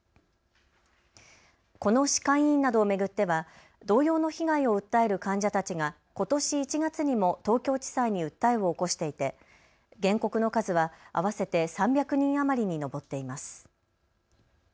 この歯科医院などを巡っては同様の被害を訴える患者たちがことし１月にも東京地裁に訴えを起こしていて原告の数は合わせて３００人余りに上っています。